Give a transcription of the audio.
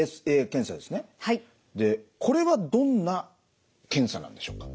でこれはどんな検査なんでしょうか？